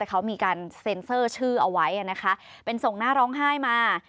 เขามีการเซ็นเซอร์ชื่อเอาไว้นะคะเป็นส่งหน้าร้องไห้มา